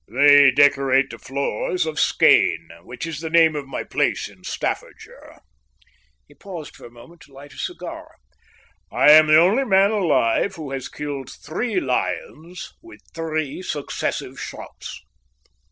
"They decorate the floors of Skene, which is the name of my place in Staffordshire." He paused for a moment to light a cigar. "I am the only man alive who has killed three lions with three successive shots."